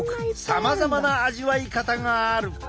さまざまな味わい方がある。